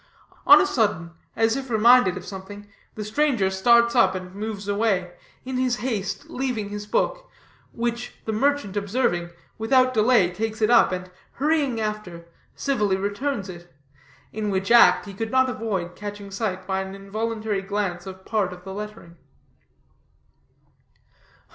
On a sudden, as if just reminded of something, the stranger starts up, and moves away, in his haste leaving his book; which the merchant observing, without delay takes it up, and, hurrying after, civilly returns it; in which act he could not avoid catching sight by an involuntary glance of part of the lettering.